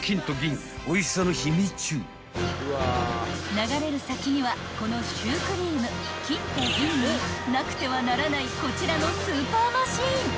［流れる先にはこのシュークリーム金と銀になくてはならないこちらの］